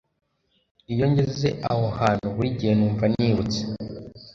iyo ngeze aho hantu burigihe numva nibutse